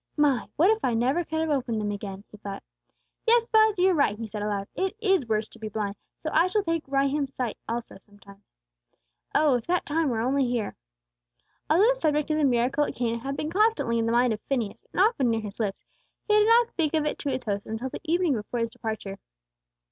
"My! What if I never could have opened them again," he thought. "Yes, Buz, you're right," he said aloud. "It is worse to be blind; so I shall take Rehum's eyesight also, some time. Oh, if that time were only here!" Although the subject of the miracle at Cana had been constantly in the mind of Phineas, and often near his lips, he did not speak of it to his host until the evening before his departure.